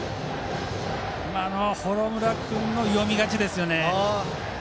今のは幌村君の読み勝ちですね。